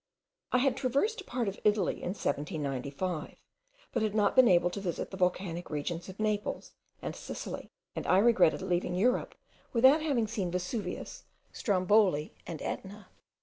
I had traversed a part of Italy in 1795, but had not been able to visit the volcanic regions of Naples and Sicily; and I regretted leaving Europe without having seen Vesuvius, Stromboli, and Etna.